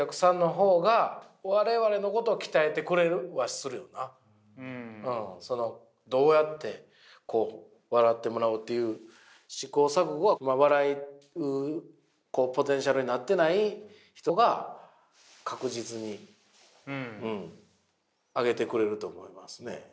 例えば僕らで言うたらどうやって笑ってもらおうという試行錯誤は笑うポテンシャルになってない人が確実に上げてくれると思いますね。